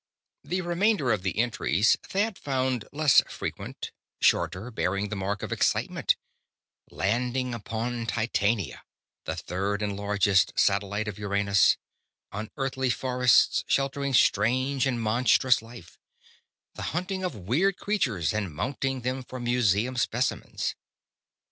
The remainder of the entries Thad found less frequent, shorter, bearing the mark of excitement: landing upon Titania, the third and largest satellite of Uranus; unearthly forests, sheltering strange and monstrous life; the hunting of weird creatures, and mounting them for museum specimens.